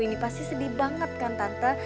ini pasti sedih banget kan tanta